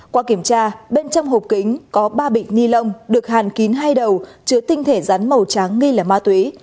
qua kiểm tra bên trong hộp kính có ba bịch ni lông được hàn kín hai đầu chứa tinh thể rắn màu trắng nghi là ma túy